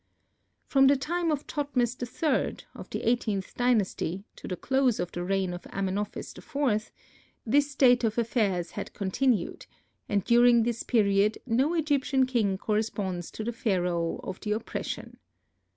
From the time of Thotmes III, of the eighteenth dynasty, to the close of the reign of Amenophis IV, this state of affairs had continued and during this period no Egyptian king corresponds to the Pharaoh of the Oppression.